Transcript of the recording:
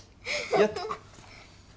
やった！